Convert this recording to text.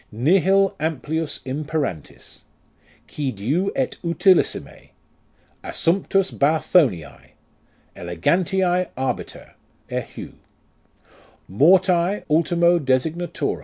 Nihil amplius imperantis ; Qui diu et utilissime Assumptus Bathonise Elegantiae Arbiter, Eheu ! Morti, (ultimo designator!)